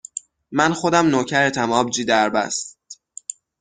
من خودم نوکرتم آبجی دربست